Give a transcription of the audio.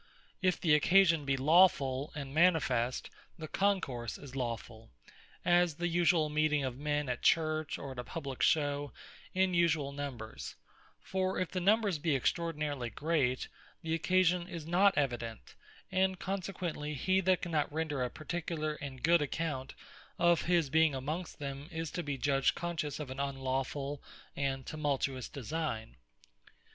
If the occasion be lawfull, and manifest, the Concourse is lawfull; as the usuall meeting of men at Church, or at a publique Shew, in usuall numbers: for if the numbers be extraordinarily great, the occasion is not evident; and consequently he that cannot render a particular and good account of his being amongst them, is to be judged conscious of an unlawfull, and tumultuous designe.